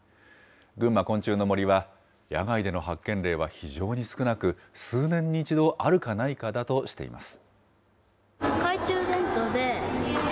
ぐんま昆虫の森は、野外での発見例は非常に少なく、数年に一度あるかないかなどとしています。